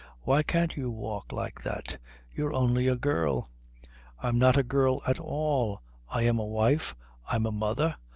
"Why can't you walk like that? You're only a girl." "I'm not a girl at all. I'm a wife, I'm a mother.